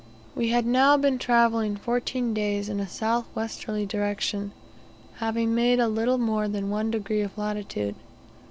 We had now been travelling fourteen days in a south westerly direction, having made a little more than one degree of latitude.